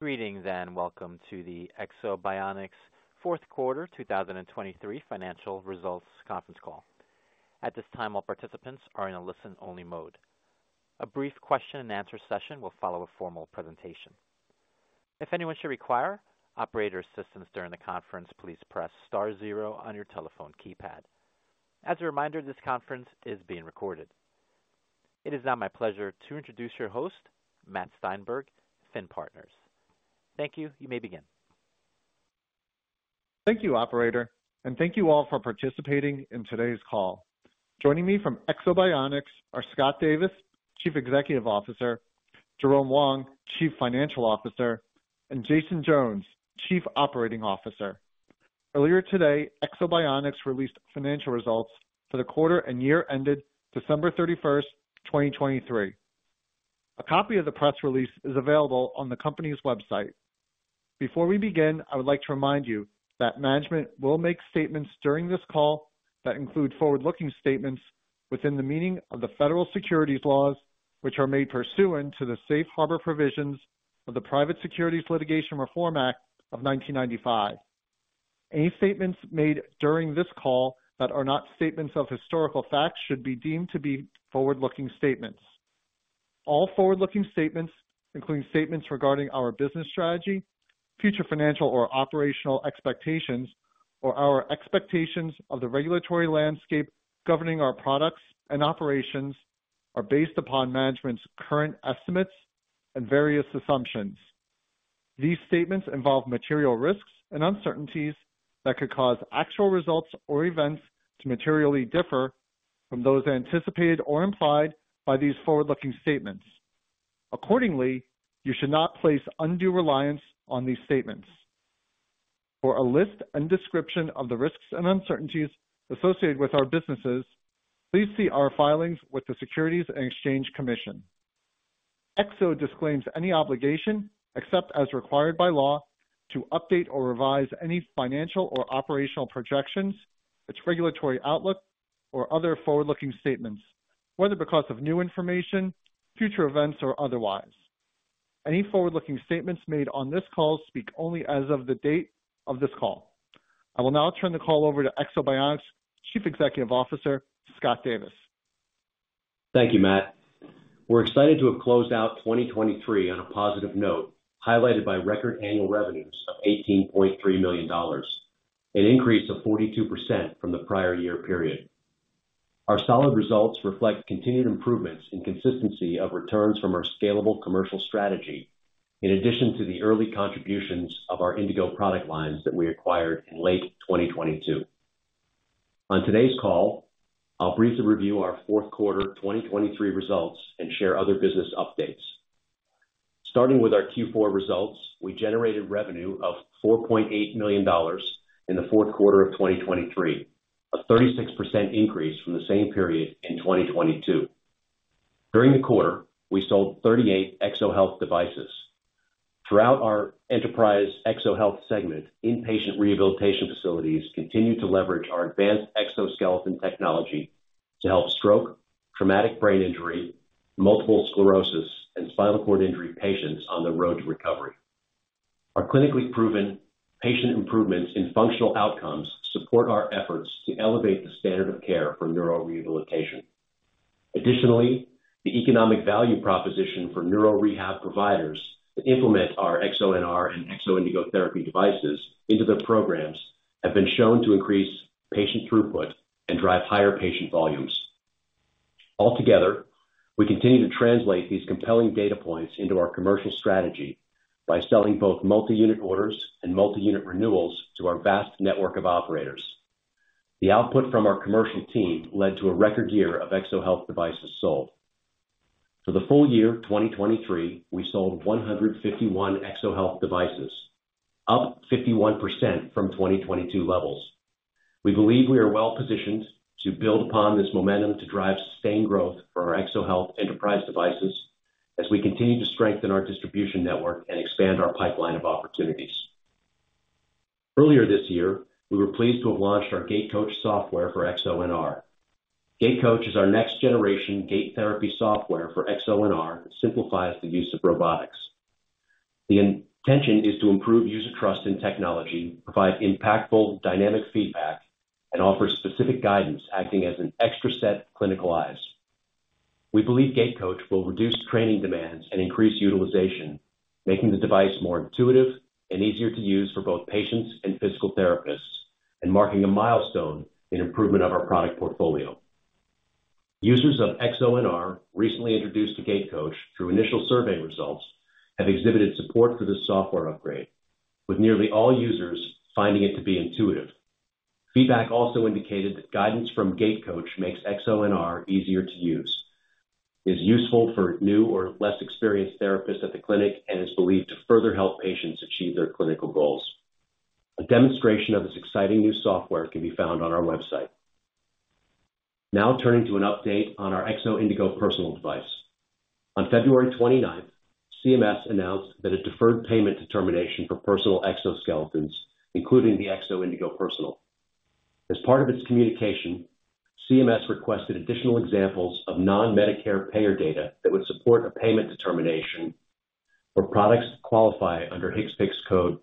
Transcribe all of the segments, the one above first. Greetings and welcome to the Ekso Bionics fourth quarter 2023 financial results conference call. At this time, all participants are in a listen-only mode. A brief question-and-answer session will follow a formal presentation. If anyone should require operator assistance during the conference, please press star zero on your telephone keypad. As a reminder, this conference is being recorded. It is now my pleasure to introduce your host, Matt Steinberg, FINN Partners. Thank you. You may begin. Thank you, operator, and thank you all for participating in today's call. Joining me from Ekso Bionics are Scott Davis, Chief Executive Officer, Jerome Wong, Chief Financial Officer, and Jason Jones, Chief Operating Officer. Earlier today, Ekso Bionics released financial results for the quarter and year ended December 31st, 2023. A copy of the press release is available on the company's website. Before we begin, I would like to remind you that management will make statements during this call that include forward-looking statements within the meaning of the federal securities laws, which are made pursuant to the Safe Harbor provisions of the Private Securities Litigation Reform Act of 1995. Any statements made during this call that are not statements of historical facts should be deemed to be forward-looking statements. All forward-looking statements, including statements regarding our business strategy, future financial or operational expectations, or our expectations of the regulatory landscape governing our products and operations, are based upon management's current estimates and various assumptions. These statements involve material risks and uncertainties that could cause actual results or events to materially differ from those anticipated or implied by these forward-looking statements. Accordingly, you should not place undue reliance on these statements. For a list and description of the risks and uncertainties associated with our businesses, please see our filings with the Securities and Exchange Commission. Ekso disclaims any obligation, except as required by law, to update or revise any financial or operational projections, its regulatory outlook, or other forward-looking statements, whether because of new information, future events, or otherwise. Any forward-looking statements made on this call speak only as of the date of this call. I will now turn the call over to Ekso Bionics Chief Executive Officer Scott Davis. Thank you, Matt. We're excited to have closed out 2023 on a positive note, highlighted by record annual revenues of $18.3 million, an increase of 42% from the prior year period. Our solid results reflect continued improvements in consistency of returns from our scalable commercial strategy, in addition to the early contributions of our Indego product lines that we acquired in late 2022. On today's call, I'll briefly review our fourth quarter 2023 results and share other business updates. Starting with our Q4 results, we generated revenue of $4.8 million in the fourth quarter of 2023, a 36% increase from the same period in 2022. During the quarter, we sold 38 Ekso Health devices. Throughout our enterprise Ekso Health segment, inpatient rehabilitation facilities continue to leverage our advanced exoskeleton technology to help stroke, traumatic brain injury, multiple sclerosis, and spinal cord injury patients on the road to recovery. Our clinically proven patient improvements in functional outcomes support our efforts to elevate the standard of care for neurorehabilitation. Additionally, the economic value proposition for neurorehab providers that implement our EksoNR and Ekso Indego Therapy devices into their programs have been shown to increase patient throughput and drive higher patient volumes. Altogether, we continue to translate these compelling data points into our commercial strategy by selling both multi-unit orders and multi-unit renewals to our vast network of operators. The output from our commercial team led to a record year of Ekso Health devices sold. For the full year 2023, we sold 151 Ekso Health devices, up 51% from 2022 levels. We believe we are well positioned to build upon this momentum to drive sustained growth for our Ekso Health enterprise devices as we continue to strengthen our distribution network and expand our pipeline of opportunities. Earlier this year, we were pleased to have launched our GaitCoach software for EksoNR. GaitCoach is our next-generation gait therapy software for EksoNR that simplifies the use of robotics. The intention is to improve user trust in technology, provide impactful dynamic feedback, and offer specific guidance acting as an extra set of clinical eyes. We believe GaitCoach will reduce training demands and increase utilization, making the device more intuitive and easier to use for both patients and physical therapists, and marking a milestone in improvement of our product portfolio. Users of EksoNR recently introduced to GaitCoach through initial survey results have exhibited support for this software upgrade, with nearly all users finding it to be intuitive. Feedback also indicated that guidance from GaitCoach makes EksoNR easier to use, is useful for new or less experienced therapists at the clinic, and is believed to further help patients achieve their clinical goals. A demonstration of this exciting new software can be found on our website. Now turning to an update on our Ekso Indego Personal device. On February 29th, CMS announced that a deferred payment determination for personal exoskeletons, including the Ekso Indego Personal. As part of its communication, CMS requested additional examples of non-Medicare payer data that would support a payment determination for products that qualify under HCPCS code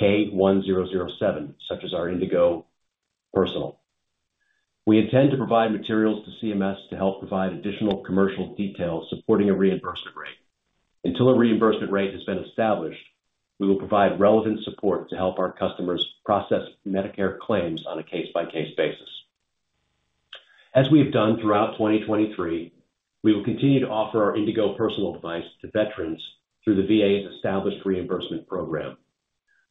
K1007, such as our Indego Personal. We intend to provide materials to CMS to help provide additional commercial details supporting a reimbursement rate. Until a reimbursement rate has been established, we will provide relevant support to help our customers process Medicare claims on a case-by-case basis. As we have done throughout 2023, we will continue to offer our Indego Personal device to veterans through the VA's established reimbursement program.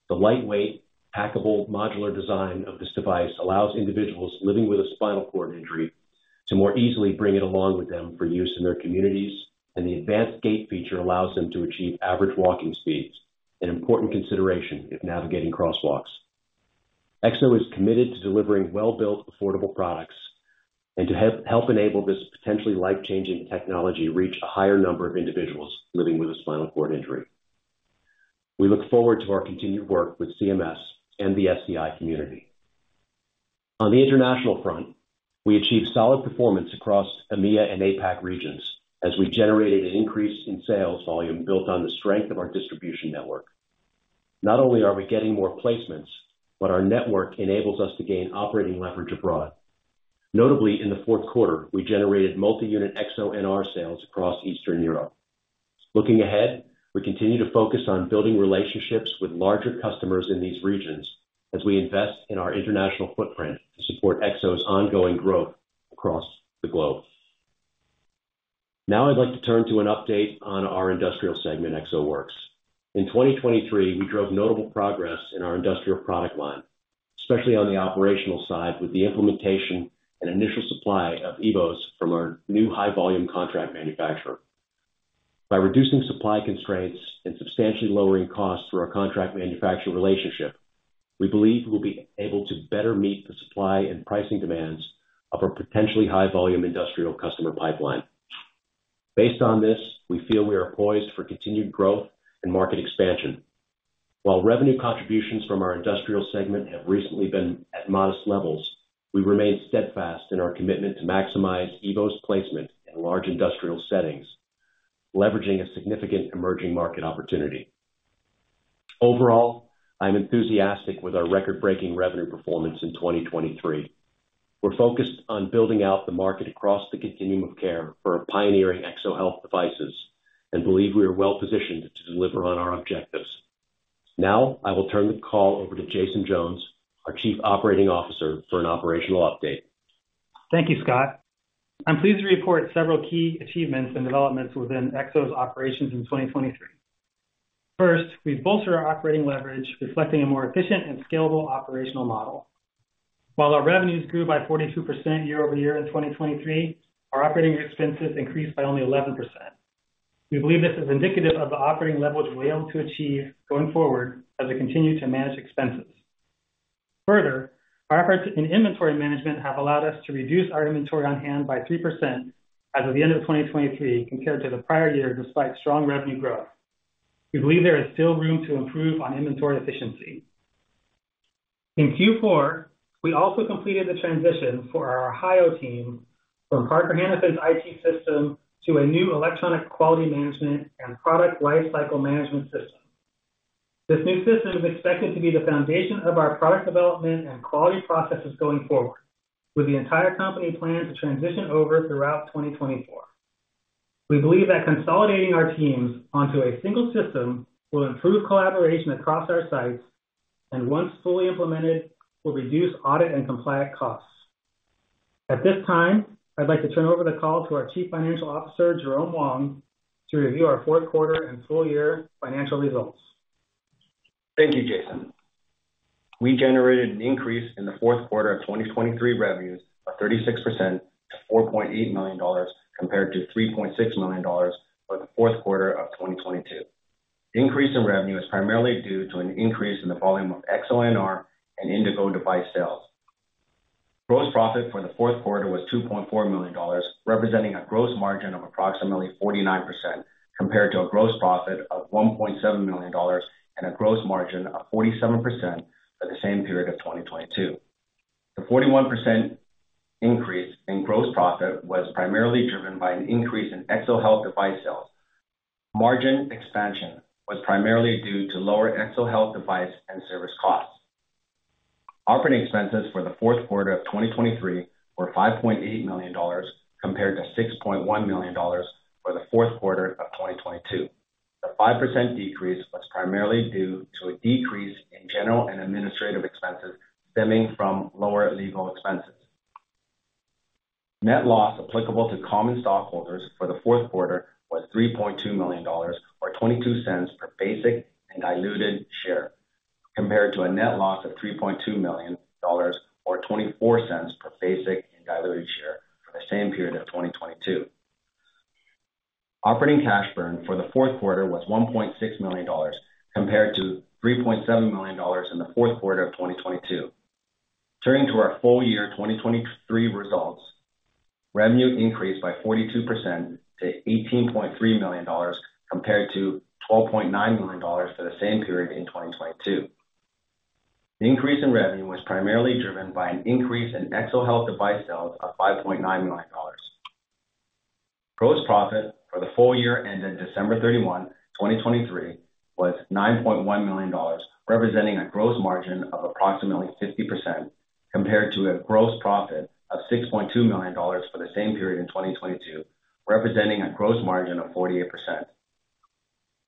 The lightweight, packable, modular design of this device allows individuals living with a spinal cord injury to more easily bring it along with them for use in their communities, and the advanced gait feature allows them to achieve average walking speeds, an important consideration if navigating crosswalks. Ekso is committed to delivering well-built, affordable products and to help enable this potentially life-changing technology to reach a higher number of individuals living with a spinal cord injury. We look forward to our continued work with CMS and the SCI community. On the international front, we achieved solid performance across EMEA and APAC regions as we generated an increase in sales volume built on the strength of our distribution network. Not only are we getting more placements, but our network enables us to gain operating leverage abroad. Notably, in the fourth quarter, we generated multi-unit EksoNR sales across Eastern Europe. Looking ahead, we continue to focus on building relationships with larger customers in these regions as we invest in our international footprint to support Ekso's ongoing growth across the globe. Now I'd like to turn to an update on our industrial segment, EksoWorks. In 2023, we drove notable progress in our industrial product line, especially on the operational side with the implementation and initial supply of Ekso EVOs from our new high-volume contract manufacturer. By reducing supply constraints and substantially lowering costs through our contract manufacturer relationship, we believe we'll be able to better meet the supply and pricing demands of our potentially high-volume industrial customer pipeline. Based on this, we feel we are poised for continued growth and market expansion. While revenue contributions from our industrial segment have recently been at modest levels, we remain steadfast in our commitment to maximize EVO's placement in large industrial settings, leveraging a significant emerging market opportunity. Overall, I'm enthusiastic with our record-breaking revenue performance in 2023. We're focused on building out the market across the continuum of care for pioneering Ekso Health devices and believe we are well positioned to deliver on our objectives. Now I will turn the call over to Jason Jones, our Chief Operating Officer, for an operational update. Thank you, Scott. I'm pleased to report several key achievements and developments within Ekso's operations in 2023. First, we've bolstered our operating leverage, reflecting a more efficient and scalable operational model. While our revenues grew by 42% year-over-year in 2023, our operating expenses increased by only 11%. We believe this is indicative of the operating leverage we'll be able to achieve going forward as we continue to manage expenses. Further, our efforts in inventory management have allowed us to reduce our inventory on hand by 3% as of the end of 2023 compared to the prior year, despite strong revenue growth. We believe there is still room to improve on inventory efficiency. In Q4, we also completed the transition for our Ohio team from Parker Hannifin's IT system to a new electronic quality management and product lifecycle management system. This new system is expected to be the foundation of our product development and quality processes going forward, with the entire company planned to transition over throughout 2024. We believe that consolidating our teams onto a single system will improve collaboration across our sites, and once fully implemented, will reduce audit and compliance costs. At this time, I'd like to turn over the call to our Chief Financial Officer, Jerome Wong, to review our fourth quarter and full year financial results. Thank you, Jason. We generated an increase in the fourth quarter of 2023 revenues of 36% to $4.8 million compared to $3.6 million for the fourth quarter of 2022. The increase in revenue is primarily due to an increase in the volume of EksoNR and Ekso Indego device sales. Gross profit for the fourth quarter was $2.4 million, representing a gross margin of approximately 49% compared to a gross profit of $1.7 million and a gross margin of 47% for the same period of 2022. The 41% increase in gross profit was primarily driven by an increase in Ekso Health device sales. Margin expansion was primarily due to lower Ekso Health device and service costs. Operating expenses for the fourth quarter of 2023 were $5.8 million compared to $6.1 million for the fourth quarter of 2022. The 5% decrease was primarily due to a decrease in general and administrative expenses stemming from lower legal expenses. Net loss applicable to common stockholders for the fourth quarter was $3.2 million or $0.22 per basic and diluted share compared to a net loss of $3.2 million or $0.24 per basic and diluted share for the same period of 2022. Operating cash burn for the fourth quarter was $1.6 million compared to $3.7 million in the fourth quarter of 2022. Turning to our full year 2023 results, revenue increased by 42% to $18.3 million compared to $12.9 million for the same period in 2022. The increase in revenue was primarily driven by an increase in Ekso Health device sales of $5.9 million. Gross profit for the full year ended December 31, 2023, was $9.1 million, representing a gross margin of approximately 50% compared to a gross profit of $6.2 million for the same period in 2022, representing a gross margin of 48%.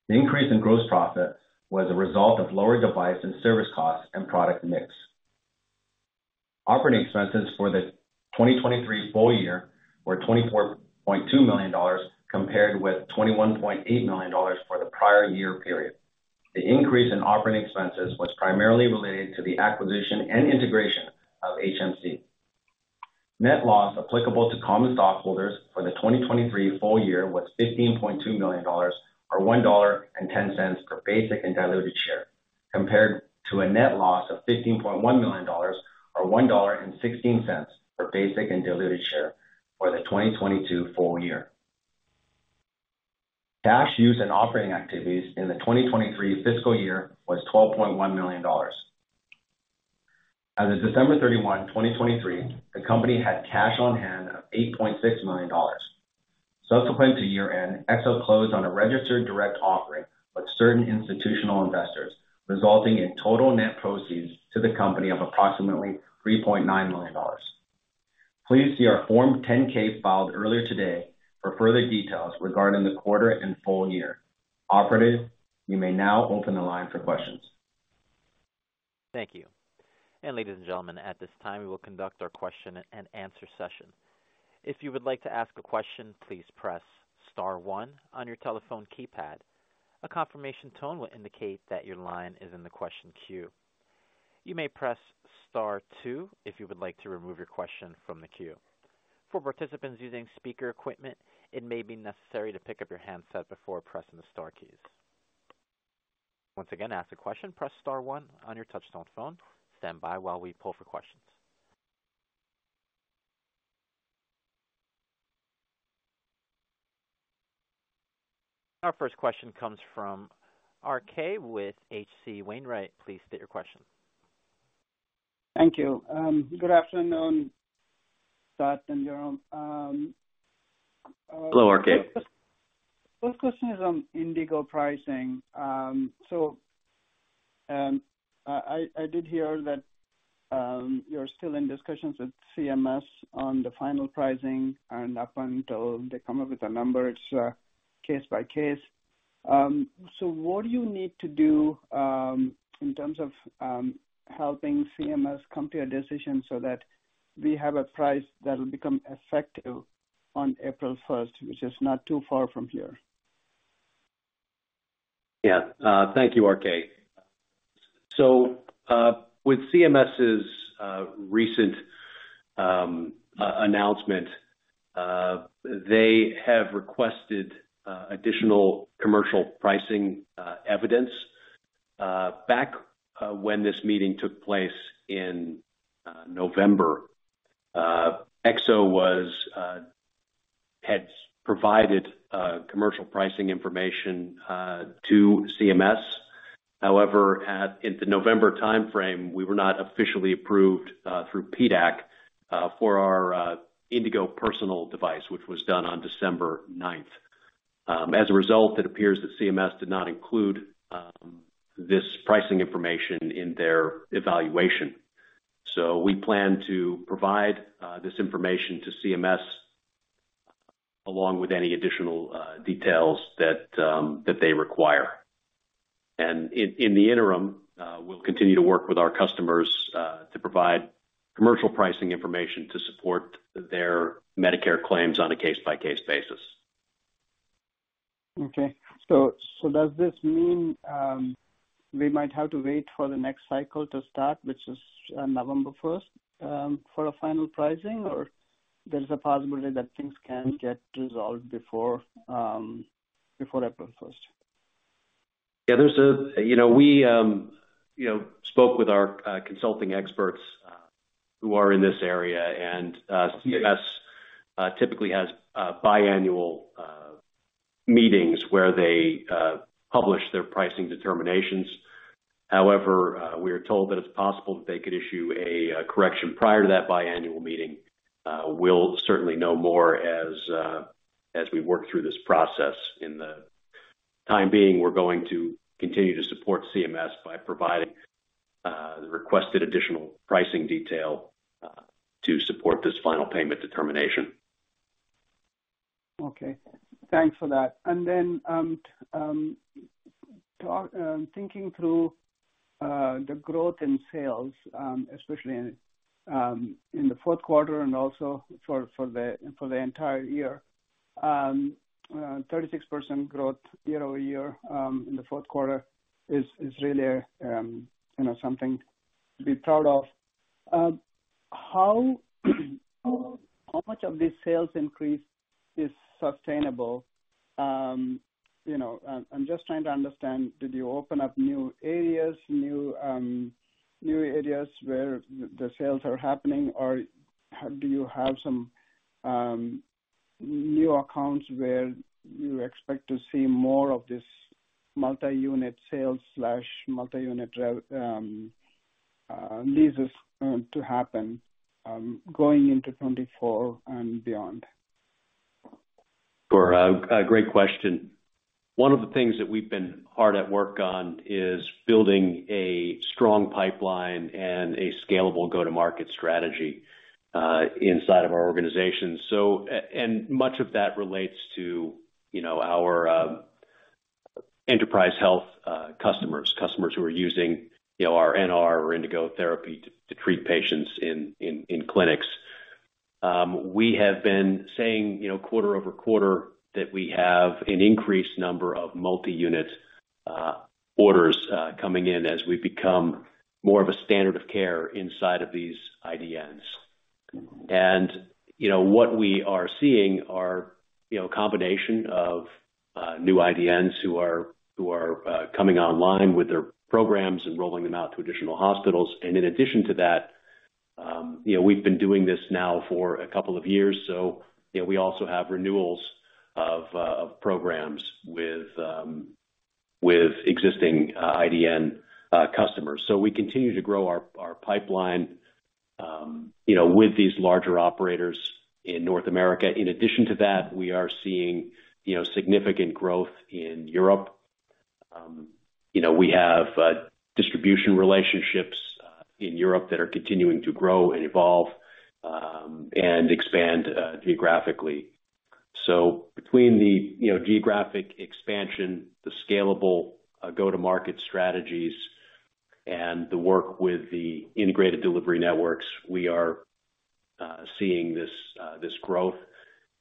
The increase in gross profit was a result of lower device and service costs and product mix. Operating expenses for the 2023 full year were $24.2 million compared with $21.8 million for the prior year period. The increase in operating expenses was primarily related to the acquisition and integration of HMC. Net loss applicable to common stockholders for the 2023 full year was $15.2 million or $1.10 per basic and diluted share compared to a net loss of $15.1 million or $1.16 per basic and diluted share for the 2022 full year. Cash use and operating activities in the 2023 fiscal year was $12.1 million. As of December 31, 2023, the company had cash on hand of $8.6 million. Subsequent to year-end, Ekso closed on a registered direct offering with certain institutional investors, resulting in total net proceeds to the company of approximately $3.9 million. Please see our Form 10-K filed earlier today for further details regarding the quarter and full year. Operator, you may now open the line for questions. Thank you. Ladies and gentlemen, at this time, we will conduct our question-and-answer session. If you would like to ask a question, please press star one on your telephone keypad. A confirmation tone will indicate that your line is in the quest ion queue. You may press star two if you would like to remove your question from the queue. For participants using speaker equipment, it may be necessary to pick up your handset before pressing the star keys. Once again, to ask a question, press star one on your touch-tone phone. Stand by while we poll for questions. Our first question comes from RK with H.C. Wainwright. Please state your question. Thank you. Good afternoon, Scott and Jerome. Hello, RK. First question is on Indego pricing. So I did hear that you're still in discussions with CMS on the final pricing, and up until they come up with a number, it's case by case. So what do you need to do in terms of helping CMS come to a decision so that we have a price that will become effective on April 1st, which is not too far from here? Yeah. Thank you, RK. So with CMS's recent announcement, they have requested additional commercial pricing evidence back when this meeting took place in November. Ekso had provided commercial pricing information to CMS. However, in the November timeframe, we were not officially approved through PDAC for our Ekso Indego Personal device, which was done on December 9th. As a result, it appears that CMS did not include this pricing information in their evaluation. So we plan to provide this information to CMS along with any additional details that they require. And in the interim, we'll continue to work with our customers to provide commercial pricing information to support their Medicare claims on a case-by-case basis. Okay. So does this mean we might have to wait for the next cycle to start, which is November 1st, for a final pricing, or there's a possibility that things can get resolved before April 1st? Yeah. We spoke with our consulting experts who are in this area, and CMS typically has biannual meetings where they publish their pricing determinations. However, we are told that it's possible that they could issue a correction prior to that biannual meeting. We'll certainly know more as we work through this process. In the time being, we're going to continue to support CMS by providing the requested additional pricing detail to support this final payment determination. Okay. Thanks for that. And then thinking through the growth in sales, especially in the fourth quarter and also for the entire year, 36% growth year over year in the fourth quarter is really something to be proud of. How much of this sales increase is sustainable? I'm just trying to understand, did you open up new areas, new areas where the sales are happening, or do you have some new accounts where you expect to see more of this multi-unit sales/multi-unit leases to happen going into 2024 and beyond? Sure. Great question. One of the things that we've been hard at work on is building a strong pipeline and a scalable go-to-market strategy inside of our organization. And much of that relates to our enterprise health customers, customers who are using our NR or Indego therapy to treat patients in clinics. We have been saying quarter-over-quarter that we have an increased number of multi-unit orders coming in as we become more of a standard of care inside of these IDNs. And what we are seeing are a combination of new IDNs who are coming online with their programs and rolling them out to additional hospitals. And in addition to that, we've been doing this now for a couple of years. So we also have renewals of programs with existing IDN customers. So we continue to grow our pipeline with these larger operators in North America. In addition to that, we are seeing significant growth in Europe. We have distribution relationships in Europe that are continuing to grow and evolve and expand geographically. So between the geographic expansion, the scalable go-to-market strategies, and the work with the integrated delivery networks, we are seeing this growth.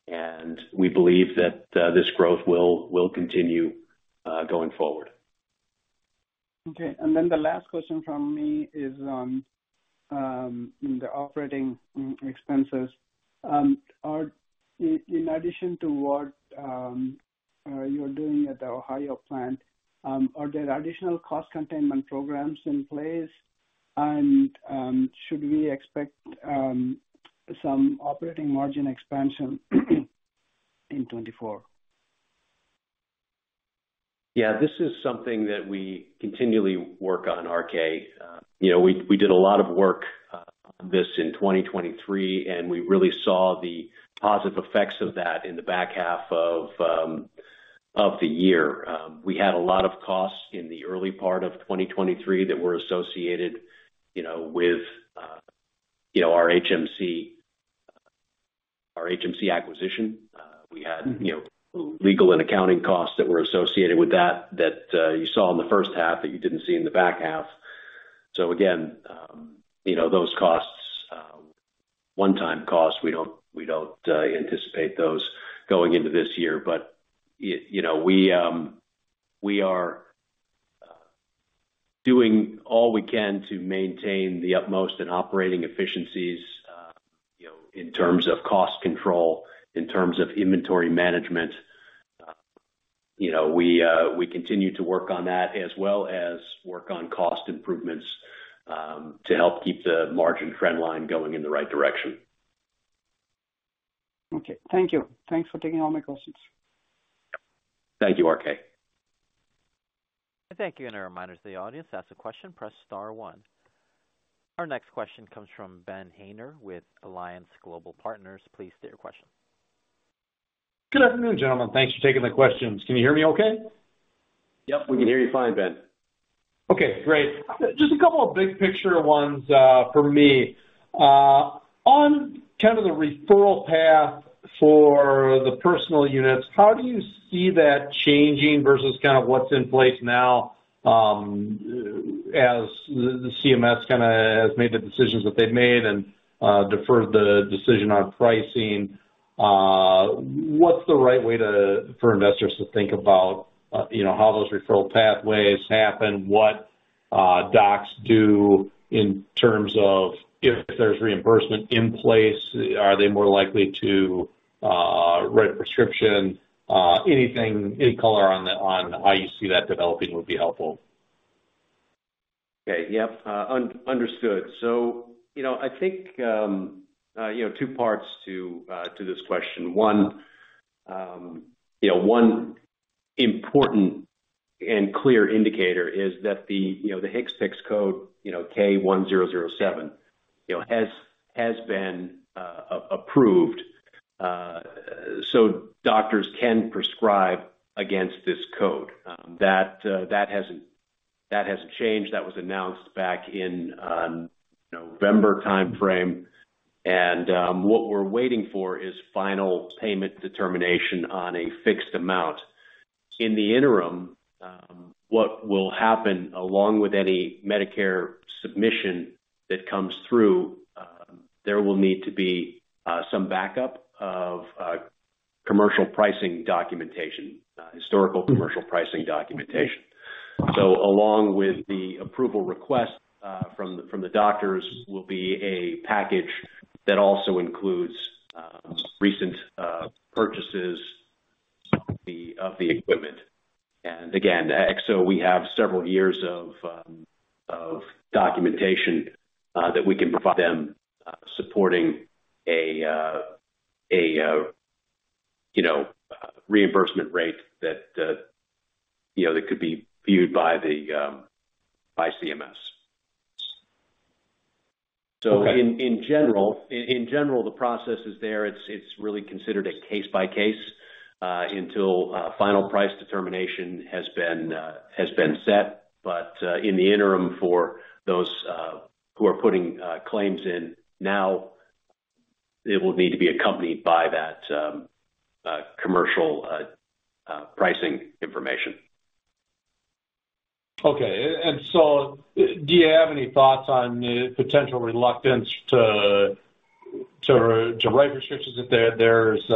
And we believe that this growth will continue going forward. Okay. And then the last question from me is on the operating expenses. In addition to what you're doing at the Ohio plant, are there additional cost containment programs in place? And should we expect some operating margin expansion in 2024? Yeah. This is something that we continually work on, RK. We did a lot of work on this in 2023, and we really saw the positive effects of that in the back half of the year. We had a lot of costs in the early part of 2023 that were associated with our HMC acquisition. We had legal and accounting costs that were associated with that that you saw in the first half that you didn't see in the back half. So again, those costs, one-time costs, we don't anticipate those going into this year. But we are doing all we can to maintain the utmost in operating efficiencies in terms of cost control, in terms of inventory management. We continue to work on that as well as work on cost improvements to help keep the margin trend line going in the right direction. Okay. Thank you. Thanks for taking all my questions. Thank you, R.K. Thank you. A reminder to the audience, to ask a question, press star one. Our next question comes from Ben Haynor with Alliance Global Partners. Please state your question. Good afternoon, gentlemen. Thanks for taking the questions. Can you hear me okay? Yep. We can hear you fine, Ben. Okay. Great. Just a couple of big picture ones for me. On kind of the referral path for the personal units, how do you see that changing versus kind of what's in place now as the CMS kind of has made the decisions that they've made and deferred the decision on pricing? What's the right way for investors to think about how those referral pathways happen? What docs do in terms of if there's reimbursement in place? Are they more likely to write a prescription? Any color on how you see that developing would be helpful. Okay. Yep. Understood. So I think two parts to this question. One important and clear indicator is that the HCPCS code K1007 has been approved, so doctors can prescribe against this code. That hasn't changed. That was announced back in November timeframe. And what we're waiting for is final payment determination on a fixed amount. In the interim, what will happen along with any Medicare submission that comes through, there will need to be some backup of commercial pricing documentation, historical commercial pricing documentation. So along with the approval request from the doctors will be a package that also includes recent purchases of the equipment. And again, so we have several years of documentation that we can provide them supporting a reimbursement rate that could be viewed by CMS. So in general, the process is there. It's really considered a case by case until final price determination has been set. But in the interim, for those who are putting claims in now, it will need to be accompanied by that commercial pricing information. Okay. And so do you have any thoughts on the potential reluctance to write prescriptions if it's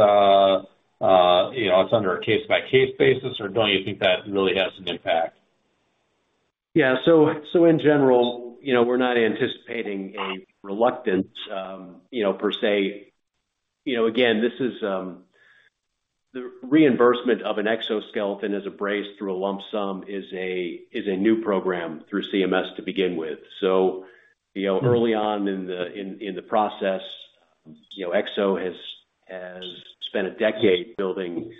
under a case-by-case basis, or don't you think that really has an impact? Yeah. So in general, we're not anticipating a reluctance per say. Again, the reimbursement of an exoskeleton as a brace through a lump sum is a new program through CMS to begin with. So early on in the process, Ekso has spent a decade building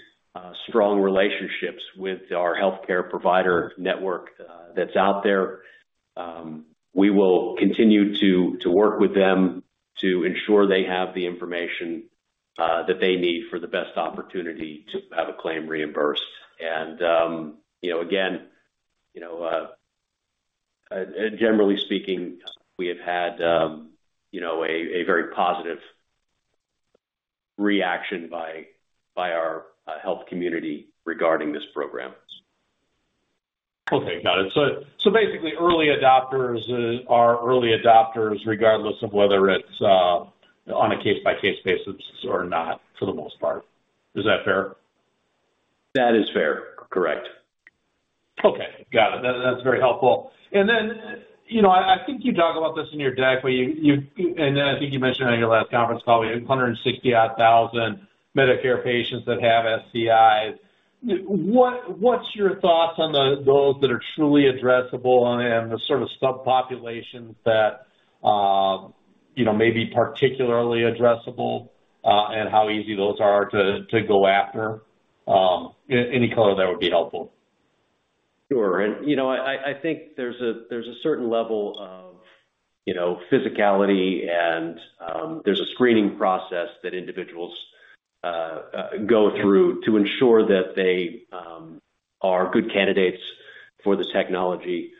strong relationships with our healthcare provider network that's out there. We will continue to work with them to ensure they have the information that they need for the best opportunity to have a claim reimbursed. And again, generally speaking, we have had a very positive reaction by our health community regarding this program. Okay. Got it. So basically, early adopters are early adopters regardless of whether it's on a case-by-case basis or not for the most part. Is that fair? That is fair. Correct. Okay. Got it. That's very helpful. And then I think you talk about this in your deck, and then I think you mentioned on your last conference call, we have 160,000-odd Medicare patients that have SCIs. What's your thoughts on those that are truly addressable and the sort of subpopulations that may be particularly addressable and how easy those are to go after? Any color there would be helpful. Sure. And I think there's a certain level of physicality, and there's a screening process that individuals go through to ensure that they are good candidates for the technology.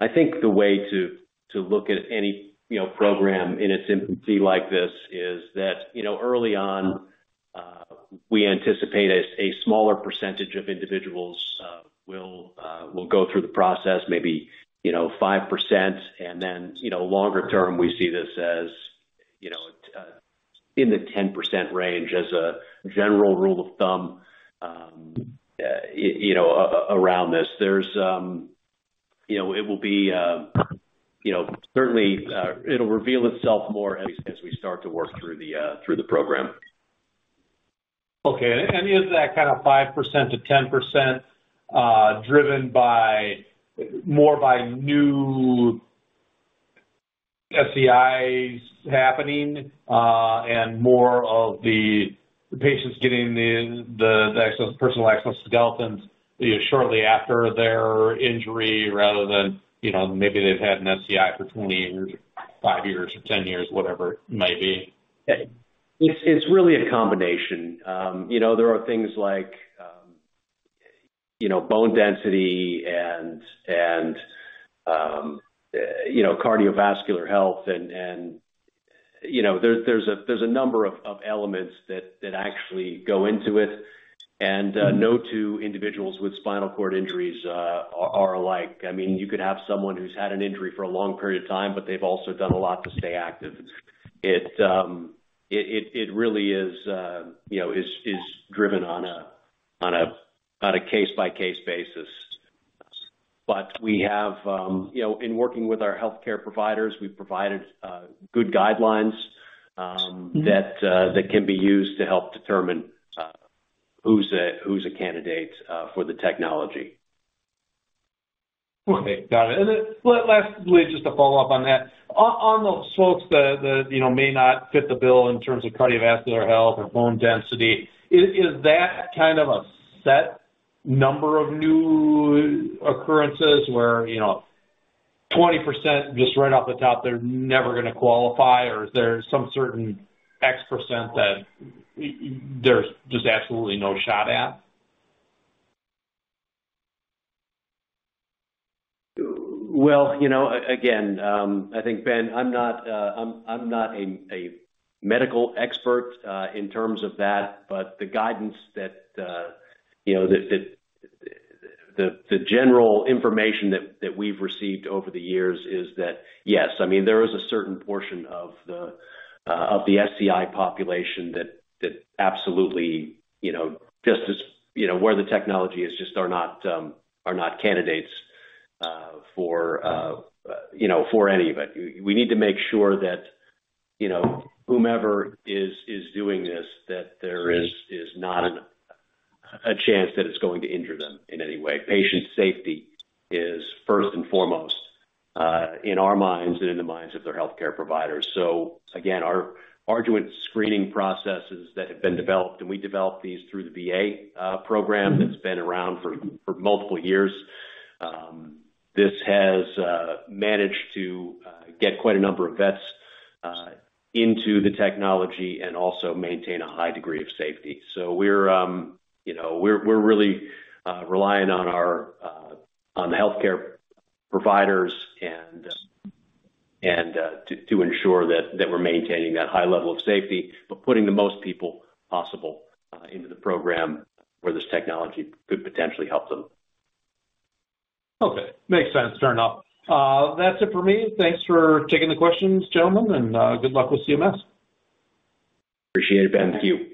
I think the way to look at any program in its entity like this is that early on, we anticipate a smaller percentage of individuals will go through the process, maybe 5%. And then longer term, we see this as in the 10% range as a general rule of thumb around this. It will be certainly, it'll reveal itself more as we start to work through the program. Okay. Is that kind of 5%-10% driven more by new SCIs happening and more of the patients getting the personal exoskeletons shortly after their injury rather than maybe they've had an SCI for 20 years or five years or 10 years, whatever it might be? It's really a combination. There are things like bone density and cardiovascular health. And there's a number of elements that actually go into it. And no two individuals with spinal cord injuries are alike. I mean, you could have someone who's had an injury for a long period of time, but they've also done a lot to stay active. It really is driven on a case-by-case basis. But in working with our healthcare providers, we've provided good guidelines that can be used to help determine who's a candidate for the technology. Okay. Got it. Lastly, just to follow up on that, on the folks that may not fit the bill in terms of cardiovascular health or bone density, is that kind of a set number of new occurrences where 20% just right off the top, they're never going to qualify, or is there some certain X% that there's just absolutely no shot at? Well, again, I think, Ben, I'm not a medical expert in terms of that, but the guidance that the general information that we've received over the years is that, yes, I mean, there is a certain portion of the SCI population that absolutely, just as where the technology is, just are not candidates for any of it. We need to make sure that whomever is doing this, that there is not a chance that it's going to injure them in any way. Patient safety is first and foremost in our minds and in the minds of their healthcare providers. So again, our arduous screening processes that have been developed, and we developed these through the VA program that's been around for multiple years, this has managed to get quite a number of vets into the technology and also maintain a high degree of safety. We're really relying on the healthcare providers to ensure that we're maintaining that high level of safety but putting the most people possible into the program where this technology could potentially help them. Okay. Makes sense, fair enough. That's it for me. Thanks for taking the questions, gentlemen, and good luck with CMS. Appreciate it, Ben. Thank you.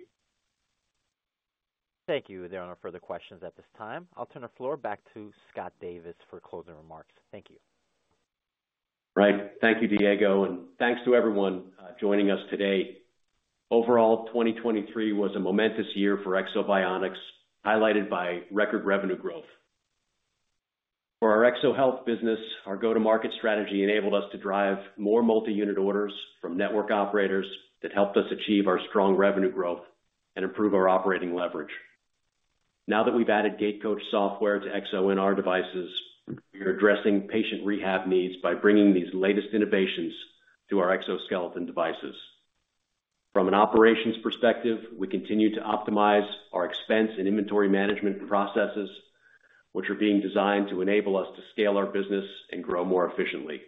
Thank you. There are no further questions at this time. I'll turn the floor back to Scott Davis for closing remarks. Thank you. Right. Thank you, Diego. And thanks to everyone joining us today. Overall, 2023 was a momentous year for Ekso Bionics, highlighted by record revenue growth. For our Ekso Health business, our go-to-market strategy enabled us to drive more multi-unit orders from network operators that helped us achieve our strong revenue growth and improve our operating leverage. Now that we've added GaitCoach software to EksoNR in our devices, we are addressing patient rehab needs by bringing these latest innovations to our exoskeleton devices. From an operations perspective, we continue to optimize our expense and inventory management processes, which are being designed to enable us to scale our business and grow more efficiently.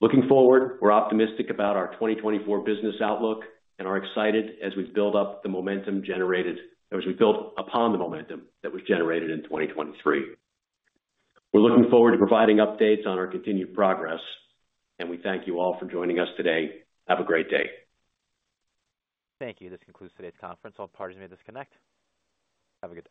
Looking forward, we're optimistic about our 2024 business outlook and are excited as we build up the momentum generated or as we build upon the momentum that was generated in 2023. We're looking forward to providing updates on our continued progress, and we thank you all for joining us today. Have a great day. Thank you. This concludes today's conference. I'll disconnect. Have a great day.